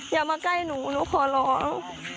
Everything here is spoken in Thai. อย่ามาใกล้หนูหนูขอร้อง